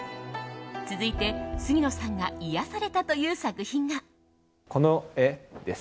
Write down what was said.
続いて、杉野さんが癒やされたという作品が。